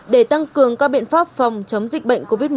để tăng cường các biện pháp phòng chống dịch bệnh covid một mươi chín